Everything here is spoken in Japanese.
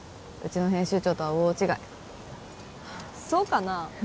うちの編集長とは大違いそうかな？